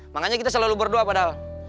makanya kita selalu berdoa padahal